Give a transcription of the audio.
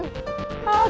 ya nyetirnya pake mata dong